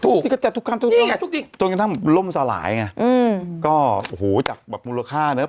ถูกทั้งลมสลายไงอืมก็โอโหจากแบบมูลค่าเนอะ